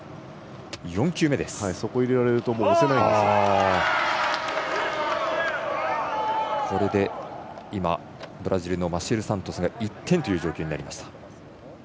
そこに入れられるとこれで今、ブラジルのマシエル・サントスが１点という状況になりました。